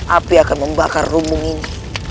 api akan membakar rumung ini